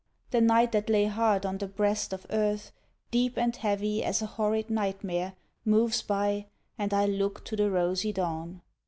The night that lay hard on the breast of earth, Deep and heavy as a horrid nightmare, Moves by, and I look to the rosy dawn.